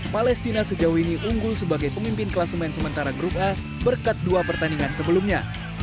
palestina sejauh ini unggul sebagai pemimpin kelas main sementara grup a berkat dua pertandingan sebelumnya